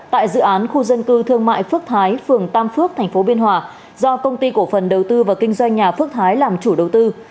tại dự án khu dân cư thương mại phước thái phường tam phước tp biên hòa do công ty cổ phần đầu tư và kinh doanh nhà phước thái làm chủ đầu tư